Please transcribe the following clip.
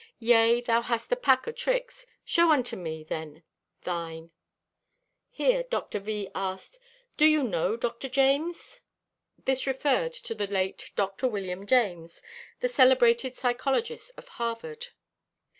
Yea, thou hast a pack o' tricks. Show unto me, then, thine." Here Dr. V. asked: "Do you know Dr. James?" This referred to the late Dr. William James, the celebrated psychologist of Harvard.